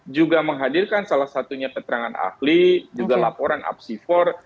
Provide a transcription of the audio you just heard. juga menghadirkan salah satunya keterangan ahli juga laporan apsifor